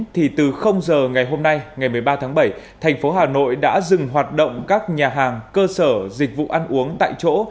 thì từ giờ ngày hôm nay ngày một mươi ba tháng bảy thành phố hà nội đã dừng hoạt động các nhà hàng cơ sở dịch vụ ăn uống tại chỗ